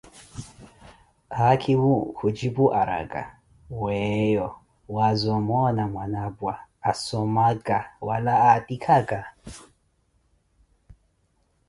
Haakhimo kujipu araka, weeyo waaza omoona mwanapwa asomka wala aatikhaka?